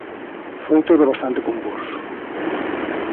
Foi todo bastante convulso.